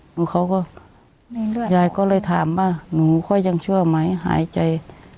หนูเขาก็มีเลือดยายก็เลยถามว่าหนูก็ยังเชื่อไหมหายใจ